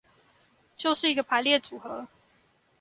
就是一個排列組合